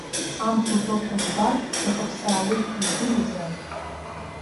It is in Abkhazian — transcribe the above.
Амц уҳәошәа збар, сахыԥсаауеит, иудыруазааит.